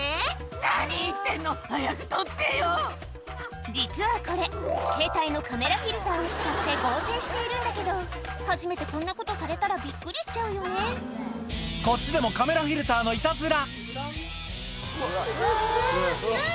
何言ってるの、実はこれ、携帯のカメラフィルターを使って合成しているんだけど、初めてこんなことされたらこっちでもカメラフィルターのいたずら。